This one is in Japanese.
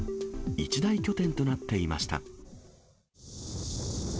一大拠点となっていました。